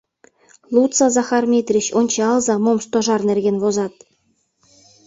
— Лудса, Захар Митрич, ончалза, мом Стожар нерген возат.